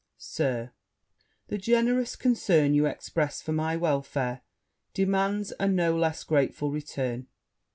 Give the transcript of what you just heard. Sir, The generous concern you express for my welfare demands a no less grateful return.